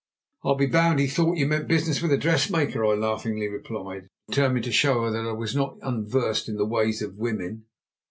"I'll be bound he thought you meant business with a dressmaker," I laughingly replied, determined to show her that I was not unversed in the ways of women.